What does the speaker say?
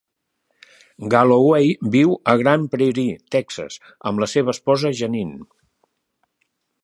Galloway viu a Grand Prairie, Texas, amb la seva esposa Janeen.